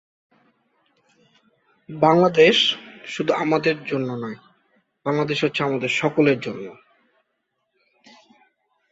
আজাদের সম্পাদক আবুল কালাম শামসুদ্দীন ছাত্র হত্যার প্রতিবাদে পূর্ববঙ্গ ব্যবস্থাপক সভা থেকে পদত্যাগ করেন।